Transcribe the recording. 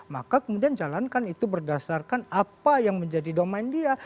maka kemudian jalankan itu berdasarkan apa yang menjadi domain dia